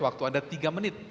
waktu anda tiga menit